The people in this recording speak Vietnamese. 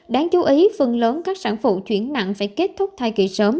đáng chú ý phần lớn các sản phụ chuyển nặng phải kết thúc thai kỳ sớm